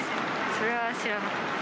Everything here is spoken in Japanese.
それは知らなかったです。